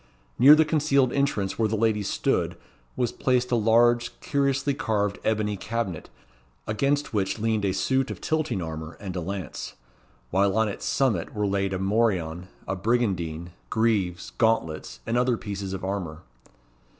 Near the concealed entrance where the lady stood was placed a large curiously carved ebony cabinet, against which leaned a suit of tilting armour and a lance; while on its summit were laid a morion, a brigandine, greaves, gauntlets, and other pieces of armour.